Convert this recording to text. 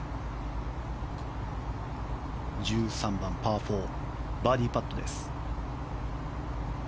１３番、パー４バーディーパット。